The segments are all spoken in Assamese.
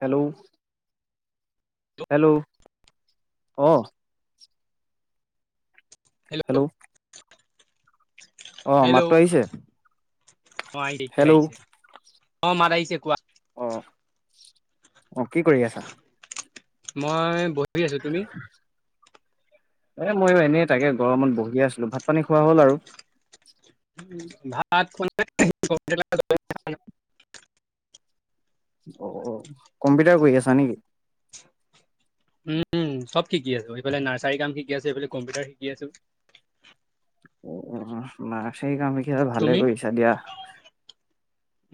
হেল্ল' হেল্ল' অহ। হেল্ল' অ, হেল্ল' মাতটো আহিছে? অ, আহ এতিয়া হেল্ল' আহিছে। তোমাৰ মাত আহিছে। কোৱা অহ, অহ কি কৰি আছা? মই বহি আছো। তুমি? এ ময়ো এনেই তাকে গৰমত বহি আছিলো, ভাত পানী খোৱা হ'ল আৰু। ভাত খ [unintelligible] অ-অ, কম্পিউটাৰ কৰি আছা নেকি? উম চব শিকি আছো। এইফালে নাৰ্চাৰী কাম শিকি আছো, এইফালে কম্পিউটাৰ শিকি আছো। ন সেই কামি ভালে তুমি কৰিছা দিয়া।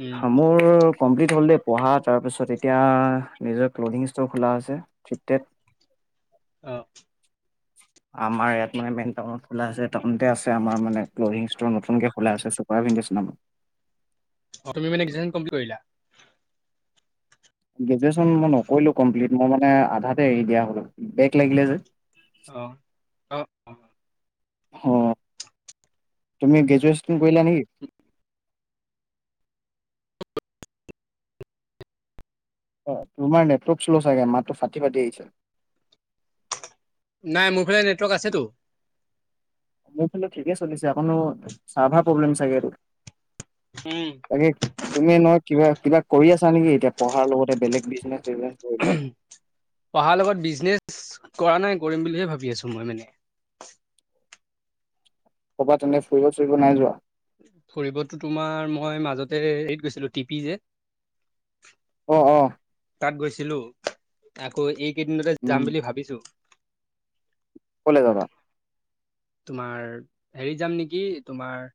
উম মোৰ কমপ্লিট হ'ল দেই পঢ়া তাৰপিছত এতিয়া নিজৰ ক্লথিং ষ্ট'ৰ খোলা আছে। [unintelligible] [unintelligible] অ। [unintelligible] আমাৰ ইয়াত মান মেইন টাউনত খোলা আছে টাউনতে আছে আমাৰ মানে ক্লথিং স্তৰ নতুনকে খোলা আছে [unintelligible] নাম। অ তুমি গ্ৰেজুৱেচন কম্পিলিট কৰিলা? গ্ৰেজুৱেচন মই নকৰিলো কমপ্লিট মই মানে আধাতে এৰি দিয়া হলো বেগ লাগিলে যে। অ অ অ। অ তুমি গ্ৰেজুৱেচন কৰিলা নেকি? অ তোমাৰ নেটক চ্ল' চাগে মাতটো ফাটি ফাটি আহিছে। নাই মোৰ ফালে নেটৱৰ্ক আছেতো। খাল ঠিকে চলিছে আকো চাৰভাৰ প্ৰব্লেম চাগে এইটো। উম তাকে তুমি নহয় কিবা কিবা কৰি আছা নেকি এতিয়া পঢ়াৰ লগতে বেলেগ বিজনেচ চিজনেচ ধৰি লোৱা? পঢ়াৰ লগত বিজনেচ। কৰা নাই কৰিম বুলিহে ভাবি আছো মই মানে। ক'বাত তেনেকে ফুৰিব চোৰিব নাই যোৱা? ফুৰিবতো তোমাৰ মই মাজতে এৰিত গৈছিলো টিপি যে। অ অ। তাত গৈছিলো আকৌ এইকেইদিনতে যাম উম, বুলি ভাবিছো। কলে যাবা? তোমাৰ হেৰিত যাম নেকি তোমাৰ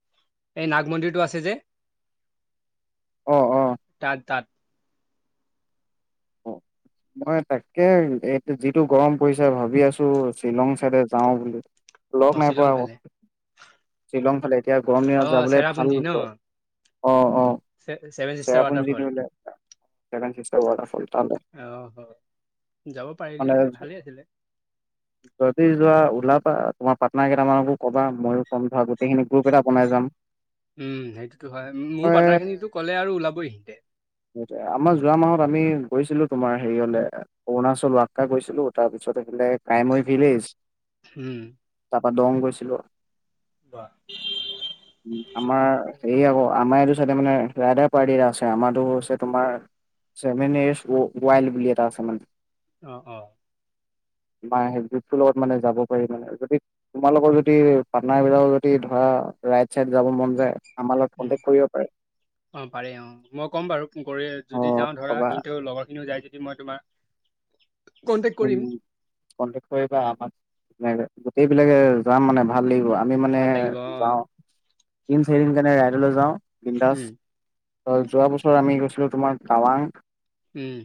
এই নাগ মন্দিৰটো আছে যে। আহ আহ। তাত তাত অ। মই তাকে এ যিটো গৰম পৰিছে ভাবি আছো শ্বিলং চাইডে যাও বুলি। লক অ নাই শ্বিলং পোৱা আক, ফালে শ্বিলং ফালে। এতিয়া গৰম অ দিনত যাবলে ভাল চেৰাপুঞ্জী ন লাগ অ অ। Seven sister waterfall চেৰাপুঞ্জীটো [inaudible] Seven Sister waterfall. তালে অঁহ হ। যাব পাৰিলে মানে ভালে আছিলে যদি যোৱা ওলাবা। তোমাৰ পাৰ্টনাৰ কেইটামানকো কবা মই ও ক'ম ধৰা গোটেইখিনি গ্ৰুপ এটা বনাই যাম। উম সেইটোতো হয় এ মোৰ পাৰ্টনাৰ খিনিতো ক'লে আৰু ওলাবই সিহঁতে। আমাৰ যোৱা মাহত আমি গৈছিলো তোমাৰ সেৰি অ'লে অৰুণাচল ৱাক্কা গৈছিলো। তাৰপিছত এইফালে- কাইমই ভিলেজ উম তাৰ পৰা দং গৈছিলো। অ উম আমাৰ- এই আকৌ আমাৰ এইটো চাইটে মানে ৰাইডাৰ পাৰ্টি এটা আছে। আমাৰতো- তোমাৰ ছেভেন য়েৰ্চ ৱাইল বুলি এটা আছে মানে। অঁ অঁ। [unintelligible] বা সেই গ্ৰুপটো লগত মানে যাব পাৰি মানে। যদি তোমালোকৰ যদি পাটনাৰবিলাক যদি ধৰা- ৰাইট চাইত যাব মন যায়। আমাৰ লগত উমঁ কন্টেক্ট কৰিব পাৰে। অঁ পাৰে অ মই কম বাৰু। কৰি অ যদি যাওঁ ধৰা ক'বা সেন্তু লগৰ খিনিও যাই যদি মই তোমাৰ- কন্টেক্ট কৰিম উমঁ কণ্ট্ৰেক কৰিবা আমাক। গোটেই বিলাকে যাম মানে ভাল লাগিব। আমি মানে ভাল লাগিব অ যাওঁ তিন চাৰি দিন কাৰণে ৰাইদলৈ যাওঁ উম বিন্দাস। ত যোৱা বছৰ আমি গৈছিলো তোমাৰ টাৱাং। উম।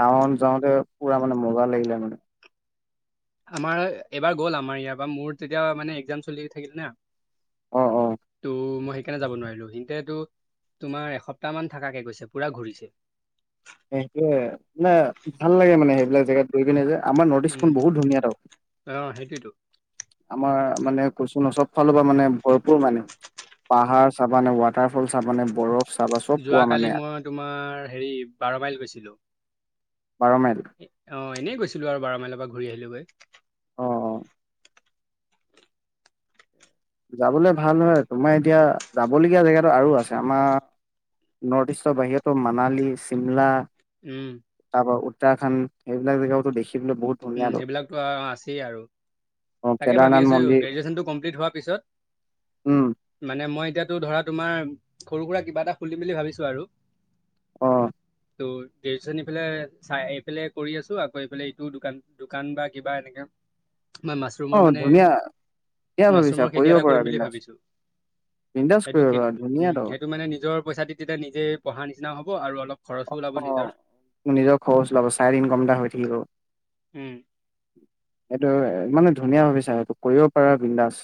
টাউন যাওঁতে পুৰা মানে মজা লাগিলে মানে। আমাৰ এইবাৰ গ'ল আমাৰ ইয়াৰ পৰা মোৰ তেতিয়া মানে এক্সাম চলি থাকিল না। অ অ তো মই- সেইকাৰণে যাব নোৱাৰিলো। সিহঁতেতো তোমাৰ এসপ্তাহ মান থকাকে গৈছে পুৰা ঘূৰিছে। সেইটোৱে মানে ভাল লাগে মানে সেইবিলাক জেগাত গৈ কিনে যে। আমাৰ নৰ্থ উম ইষ্টখন বহুত ধুনীয়াতো। অ সেইটোৱেতো আমাৰ মানে কৈচু ন চব ফালৰ পৰা মানে ভৰপূৰ মানে। পাহাৰ চাবানে, ৱাটাৰফল চাবানে, বৰফ- চাবা চব পোৱা মানে যোৱাকালি মই তোমাৰ সেৰি বাৰ মাইল গৈছিলো। বাৰ মাইল অঁ এনেই গৈছিলো আৰু বাৰ মাইলৰ পৰা ঘূৰি আহিলো গৈ। অ অ যাবলে ভাল হয় তোমাৰ এতিয়া যাবলগীয়া জেগাতো আৰু আছে আমাৰ- নৰ্থ ইষ্টৰ বাহিৰতো মানালী, চিমলা- উমঁ। [unintelligible] এইবিলাক জেগওতো দেখি- উমঁ সেইবিলাকতো আছেই আৰু। অ তাকে ভাবি কেদাৰনাথ আছো মন্দিৰ গ্ৰেজুৱেশচনতটো কমপ্লিট হোৱা- উম পিছত মানে মই- এতিয়াতো ধৰা তোমাৰ সৰু সুৰা কিবা এটা খুলিম বুলি ভাবিছো আৰু। অঁ। ত' গ্ৰেজন এইফালে চাই এইফালে কৰি আছো আকৌ এইফালে এইটো দোকান- দোকান বা কিবা এনেকা। মই অ মাছৰুমৰ মানে ধুনীয়া ধুনীয়া ভাবিছা মাছৰুমৰ খেতি কৰিব এটা পাৰা কৰিম বুলি বিন্দাছ ভাবিছোঁ। বিন্দাছ সেইটো কৰিব পাৰা ধুনীয়া উম ত সেইটো মানে নিজৰ পইচা দি তেতিয়া নিজে পঢ়া নিচিনাও হ'ব আৰু অলপ- খৰচো ওলাব অঁ অঁ নিজৰ নিজৰ খৰচ উলাব চাইট ইনকম এটা হৈ থাকিব। উমঁ। এইটো মানে ধুনীয়া ভাবিছা সেইটো কৰিব পাৰা বিন্দাজ।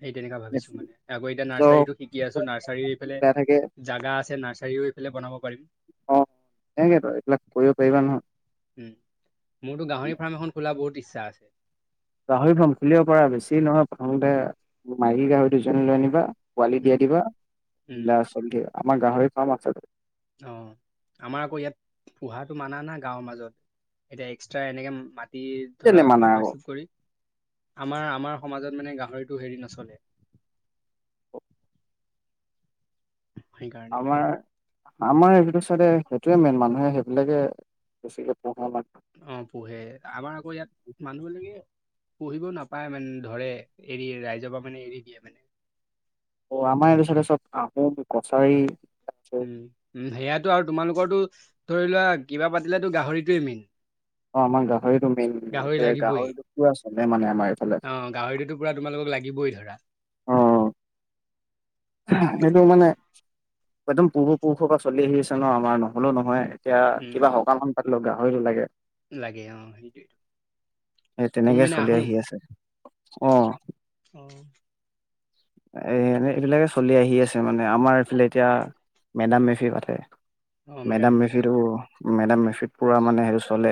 সেই তেনেকা ভাবিছো মানে। আকৌ এতিয়া নিজৰ নাৰ্চাৰীটো শিকি আছো নাৰ্চাৰী এইফালে- বেয়া থাকে জাগা আছে নাৰ্চাৰীও এইফালে বনাব পাৰিম। অঁ সেকেতো এইবিলাক কৰিব পাৰিবা উম মোৰতো গাহৰি নহয়। ফাৰ্ম এখন খোলা বহুত ইচ্ছা আছে। গাহৰি ফাৰ্ম খুলিব পৰাৰ বেছি নহয় প্ৰথমতে মাইকী গাহৰি দুজনী লৈ আনিবা। পোৱালি দি উম দিবা উম [unintelligible] আমাৰ গাহৰি ফাৰ্ম আছে। অ আমাৰ আকৌ ইয়াত পোহাটো মানা নাই গাঁৱৰ মাজত। এতিয়া এক্সট্ৰা এনেকে মাত ধৰা কেলে মানা আকৌ পাটৰ্ণাশ্বিপ কৰি আমাৰ আমাৰ সমাজত মানে গা ভৰিটো হেৰি নচলে। সেইকাৰণে আমাৰ আমাৰ এপিনে ছাইডে সেইটোয়ে মেইন মানুহে সেইবিলাকে বেছিকে পোহে মানে অ পোহে আমাৰ আকৌ ইয়াত মানুহবিলকে পোহিব নাপায় মানে ধৰে এৰি ৰাইজৰ পৰা মানে এৰি দিয়ে মানে। অ আমাৰ এইটো ছাইডে চব আহোম কছাৰী আছে। উম উম সেয়াইটো আৰু তোমালোকৰ তো ধৰি লোৱা কিবা পাতিলেটো গাহৰিটোৱে মেইন। অ আমাৰ গাহৰিটো মেইন গাহৰি লাগিবই গাহৰিটো পোৰা চলে মানে আমাৰ এইফালে। অ গাহৰিটোতো পুৰা তোমালোকক লাগিবই ধৰা। অ' সেইটো মানে একদম পূৰ্বপুৰুষৰ পৰা চলি আহি আছে ন আমাৰ নহলেও নহয় এতিয়া উম কিবা সকামখন পাটিলেও গাহৰিটো লাগে। লাগে অ সেইটোৱে সে তুমি তেনেকে মানে চলি আহোম আহি আছে। অ। অ। এ এ এইবিলাকে চলি আহি আছে মানে আমাৰ এইফালে এতিয়া মেদাম মে ফি পাতে অ মেডাম হিকতে অ মেফিতো মেডাম মেফিত পোৰা মানে হেটো চলে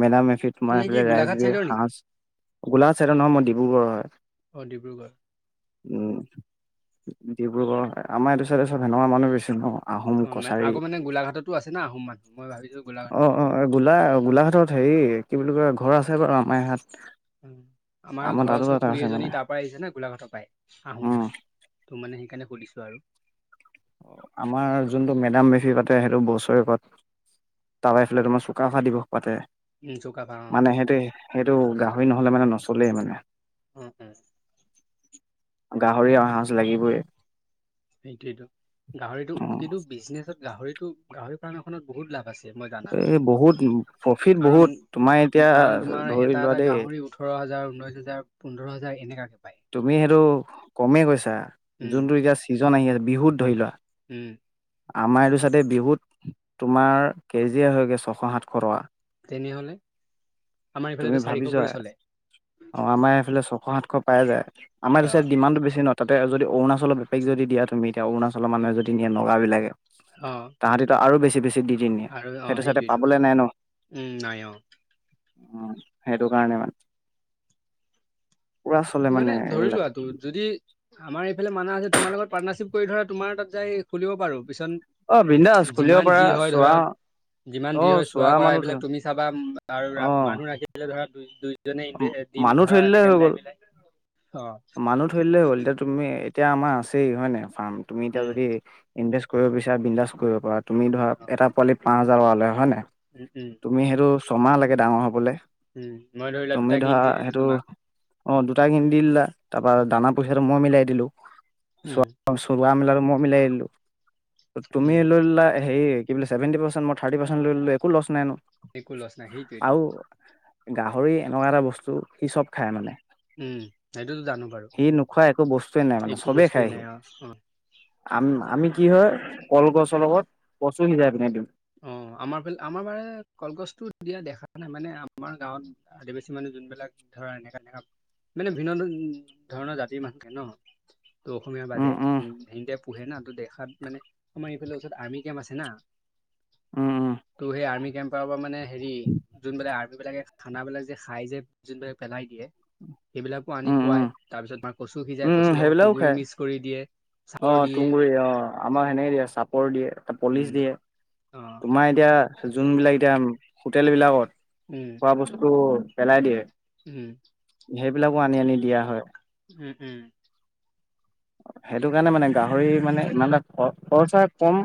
মেডাম মেফ ফিত আমাৰ তুমি কি এইফালে ৰাইচ গোলাঘাট বীয়েৰ চাইডৰ নেকি সাজ গোলাঘাত ছাইডৰ নহয় মই ডিব্ৰুগড়ৰ হয়। অ ডিব্ৰুগড় উম ডিব্ৰুগড় আমাৰ এইটো ছাইডে চব হেনকা মানুহে বেছি ন। আহোম অ মা কছাৰী আকৌ মানে গোলাঘাটতো আছে না আহোম মানুহ মই ভাবিছো অ গোলাঘাটতে অ নেকি গোলা গোলাঘাটত হেৰি কি বুলি কয় ঘৰ আছে বাৰু আমাৰ সিয়াত। আমাৰ ঘৰৰ ওচৰ খুৰী আছে এজনী মানে তাৰ পৰা আহিছে ন গোলাঘাটৰ পাই আহোম উম হয় ত' মানে সেইকাৰণে সুধিছো আৰু। আমাৰ যোনটো মেডাম মেফি পাতে সেইটো বছৰেকত। তাৱাইফালে তোমাৰ চুকাফা দিৱস পাতে। উম চুকাফা অ মানে সেইটো সেইটো গাহৰি নহলে মানে নচলেই মানে। উম উম। গাহৰি আৰু সাঁজ লাগিবই। সেইটোয়েটো গাহৰিটো অ কিন্তু বিজনেচত গাহৰিতো গাহৰি ফাৰ্ম এখনত বহুত লাভ আছে। মই জানাত এই বহুত প্ৰফিট কাৰণ বহুত তোমাৰ উম, এতিয়া কাৰণ তোমাৰ এটা ধৰি লোৱা এটা দেই, গাহৰি ওঠৰ হাজাৰ ঊনৈশ হাজাৰ পোন্ধৰ হাজাৰ এনেকাকে পায় তুমি সেইটো কমেই কৈছা উম যোনটো এতিয়া ছিজন আহি আছে বিহুত ধৰি লোৱা, উম আমাৰ এইটো ছাইডে বিহুত তোমাৰ কেজিয়ে হয়গৈ ছশ সাতশ টকা। তেনেহ'লে আমাৰ তুমি ইফালেতো চাৰিশ ভাবিছা কৰি চলে অ আমাৰ এইফালে ছশ সাতশ পাই যায় আমাৰ এইটো ছাইড আহ ডিমানটো বেছি ন। তাতে যদি অৰুণালৰ বেপাৰীক যদি দিয়া তুমি এতিয়া অৰুণালৰ মানুহে যদি নিয়ে নগাবিলাকে অ তাহাঁতিতো আৰু বেছি বেছি দি দি নিয়ঃ আৰু অ সেইটো ছাইডে সেইটোৱেইটো পাবলে নাই ন। উম নাই অ উম সেইটো কাৰণে মানে। পুৰা তাক চলে মানে ধৰি এইবিলাক লোৱা তো যদি আমাৰ এইফালে মানা আছে তোমাৰ লগত পাৰ্টনাৰশ্বিপ কৰি ধৰা তোমাৰ তাত যাই খুলিব পাৰোঁ। অ বিন্দাছ খুলিব পাৰা ধৰা চোৱা। যিমান অ যি হয় চোৱা কৰা মানুহ এইবিলাক তুমি চাবা আৰু ৰা অ', মানুহ ৰাখিলে ধৰা দুই দুই জনে দিম মানুহ ধৰা থৈ দিলে এনেকে হৈ গ'ল। মিলাই মিলি মানুহ থৈ দিলেই হৈ গল এতিয়া তুমি এতিয়া আমাৰ আছেই হয় নাই? ফাৰ্ম তুমি এতিয়া উম যদি ইনভেচ্ কৰিব বিচাৰা বিনদাচ্ কৰিব পাৰা তুমি ধৰা অ এটা পোৱালী পাঁচ হাজাৰ টকা লয় হয় নাই। উম উম তুমি সেইটো ছমাহ লাগে ডাঙৰ হবলৈ। উম, মই ধৰি লোৱা দুটা কিন দি দিলো তোমাক। অ, দুটা কিনি দি দিলা তাৰ পৰা দানা পইচাটো মই মিলাই দিলো উম চোৱা চোৱা মেলাটো মই মিলাই দিলো। তুমি উম, লৈ ললা হেৰি কি বুলে চেভেনটি পাৰ্চেণ্ট মই থ্ৰাৰ্টি পাৰ্চেণ্ট লৈ ললে একো লছ নাই ন একো লচ নাই আৰু সেইটোৱেত গাহৰি এনেকুৱা এটা বস্তু সি চব খায় মানে। উম, সেইটোতো জানো বাৰু সি নোখোৱা একো বস্তুৱে নাই মানে, একো চবেই বস্তুৱে খায় সি। নাই অ, অ,। আম আমি কি হয় কলগছৰ লগত কচু সিজাই পিনে দিওঁ। অ, আমাৰ ফালে আমাৰ বাৰে কলগছটো দিয়া দেখা নাই মানে আমাৰ গাঁৱত আদিবাসী মানুহ যোনবিলাক ধৰা এনেকা এনেক মানে ভিন্ন ধৰণৰ জাতিৰ মানুহে ন। ত' অসমীয়াৰ উম উম বাদে পোহে না ত দেখাত মানে আমাৰ ইফালে ওচৰত আৰ্মি কেম্প আছে না। উম উম ত' সেই আৰ্মি কেম্প পৰা মানে হেৰি যোনবিলা আৰ্- ৰ্মী বিলাকে খানাবিলাক যে খাই যে যোন বিলাক পেলাই দিয়ে সেইবিলাকো আনি উম উম উম খুৱাই। তাৰপিছত মাক উম, সেইবিলাকও খাই অ, চাপৰ দিয়ে তুগুৰি অ আমাক সেনেকে দিয়ে চাপৰ দিয়ে। এটা পলিচ উম, দিয়ে। অ', তোমাৰ এতিয়া যোনবিলাক এতিয়া হোটেল বিলাকত উম, খোৱা বস্তু পেলাই দিয়ে। উম। সেইবিলাকো আনি আনি দিয়া হয়। উম, উম। সেইটো কাৰণে মানে গাহৰি মানে ইমান এটা খ খৰচা কম।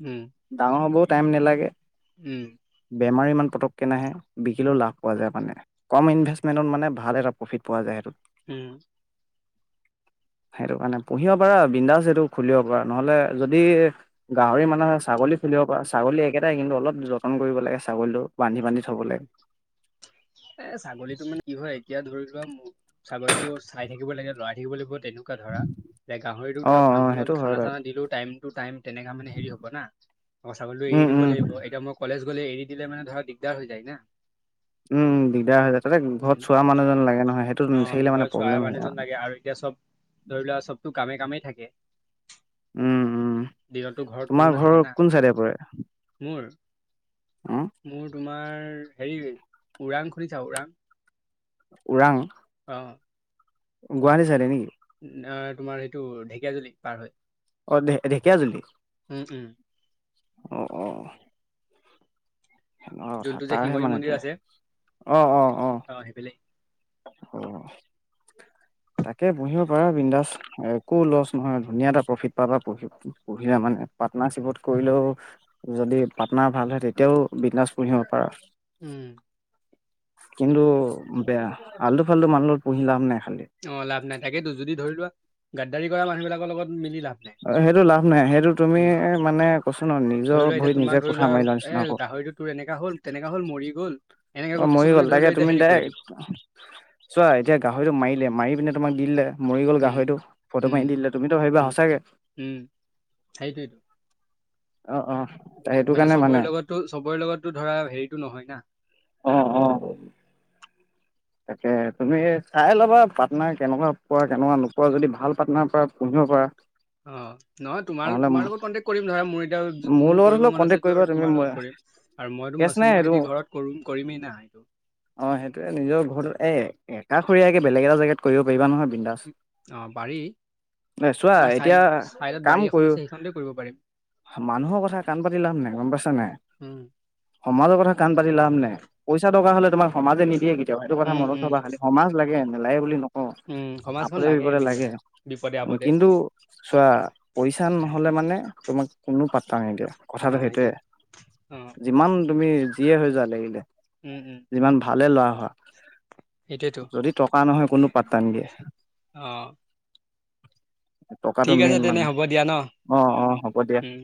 উম, ডাঙৰ হ'বও টাইম নালাগে। উম, বেমাৰ ইমান পতককৈ নাহে বিকিলেও লাভ পোৱা যায় মানে। কম ইনভেষ্টমেণ্টত মানে ভাল এটা প্ৰফিট পোৱা যায় সেইটোত। উম। [inaudible] সেইটো কাৰণে পুহিব পাৰা বিন্দাচ সেইটো খুলিব পাৰা নহলে যদি গাহৰি মানুহে চাব ছাগলী ফুলিব পাৰ ছাগলী একেটাই কিন্তু অলপ যতন কৰিব লাগে ছাগলীটো বান্ধি বান্ধি থ'ব লাগে। এ, ছাগলীটো মানে কি হয় এতিয়া ধৰি ছাগলতটো চাই থাকিব লাগে লৰাই থাকিব লাগে বহুত। তেনেকুৱা ধৰা যে গাহৰিটোক অ ধৰা অ ফাৰ্মখনত সেইটো হয় খানা বাৰু চানা দিলেও টাইম টু টাইম। তেনেকা মানে হেৰি হবা না চাগলতটো এৰি উম দিব উম লাগিব এতিয়া মই কলেজ গ'লে এৰি দিলে মানে ধৰা দিগদাৰ হৈ যায় ন। [inaudible] উম, দিগদাৰ হৈ যায় তাতে ঘৰত চোৱা মানুহজন লাগে নহয় সেইটোত অ', মোৰ নাথাকিলে ঘৰত মানে চোৱা প্ৰব্লেম হৈ যায় মানুহজন মানে। লাগে আৰু এতিয়া চব ধৰি লোৱা চবতটো কামে কামেই থাকে। উম। উম দিনতো ঘৰত কোনো তোমাৰ ঘৰ নাথাকে না কোন চাইডে পৰে মোৰ। উম মোৰ তোমাৰ হেৰি ওৰাং খুুলিছা ওৰাং। ওৰাং। অ। গুৱাহাটী চাইতে নেকি? আহ তোমাৰ সেইটো ঢেকীয়াজুলি পাৰ হয়। অ, ঢেকীয়া জুলি। উম, অ, অ। সেনেকুৱা কথা যোনটো যে তাৰহে শিঙৰি মানে মন্দিৰ ত আছে অ, অ আহ। অ' সেইফালে অ তাকে পুহিব পাৰা বিন্দাস একো লছ নহয় ধুনীয়া এটা প্ৰফিট পাবা প পুহিলে মানে পাৰ্টনাৰশ্বিপত কৰিলেও যদি পাৰ্টনা ভাল হয় তেতিয়াও বিন্দাছ পুহিব পাৰা উম কিন্তু বেয়া আলটো-ফালটো মানুহৰ লগত পুহি লাভ নাই খালি গাদ্দাৰী কৰা মানুহবিলাকৰ লগত মিলি লাভ নাই। অ সেইটো লাভ নাই সেইটো তুমি উম, মানে কৈছ ন নিজৰ ধৰি লোৱা এতিয়া ভৰিত তোমাক নিজে ধৰি কথা মাৰি লোৱা নিচিনা। এ হ'ব গাহৰিটো তোৰ এনেকা হ'ল তেনেকা হ'ল মৰি গ'ল এনেকে অ আকৌ মৰি কিছুমানে গ'ল ধৰি তাকে লোৱা এতিয়া তুমি হেৰি কৰি দাৰেক দিব চোৱা এতিয়া গাহৰিটো মাৰিলে মাৰি পিনে তোমাক দি দিলে মৰি গল উম, গাহৰিটো ফটো উম, মাৰি দিলে তুমিতো ভাবিবা উম, সঁচাকে উম, সেইটোৱেইটো অ-অ মানে চবৰে লগতো চবৰে লগতো ধৰা হেৰিটো নহয় না। অ-অ তাকে তুমি চাই ল'বা পাটনাৰ কেনেকুৱা পোৱা কেনেকুৱা নোপোৱা যদি ভাল পাটনাৰ পোৱা [unintelligible] অ নহয় তোমাৰ-তোমাৰ লগত কণ্টেক্ট কৰিম ধৰা মোৰ এতিয়া মোৰ লগত কৰিব হ'লেও মন কণ্টেক্ট আছেটো কৰিবা আৰু তুমি তোমাৰ লগত কৰিম। আৰু মইতো কেচ নাই মাছৰুমৰ এইটো খেতি ঘৰত কৰো কৰিমেই না। অ সেইটোৱেই নিজৰ ঘৰত এ একাষৰীয়াকে বেলেগ এটা জেগাত কৰিব পাৰিবা নহয়। বিন্দাছ অ পাৰি এ চোৱা আমাৰ এতিয়া চাইদ চাইডত কাম বাৰী কৰি এখন আছে সেইখনতে কৰিব পাৰিম। মানুহৰ কথা কাণ পাতি লাভ নাই গম পাইছা নাই। উম সমাজৰ কথা কাণ পাতি লাভ নে পইচা টকা হলে তোমাৰ সমাজে নিদিয়ে কি তে সেইটো কথা উম মনত উম থবা খালি সমাজ লাগে নেলাগে বুলি নকওঁ উম সমাজখন আপদে-বিপদে মেইন লাগে কথা বিপদে আপদে কিন্তু চোৱা পইচা নহলে মানে তোমাক কোনো পাতা নেদিয়ে অ কথাটো সেইটোৱেই সেইটোৱে অ যিমান তুমি যিয়ে হৈ যোৱা লাগিলে উম উম যিমান ভালে লোৱা সেইটোৱেতো যদি টকা নহয় কোনো পাট্টা নিদিয়ে অ টকাটো ঠিক আছে মেইন তেনে মানে হ'ব দিয়া ন অ-অ হ'ব দিয়া উম